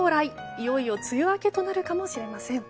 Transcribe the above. いよいよ梅雨明けとなるかもしれません。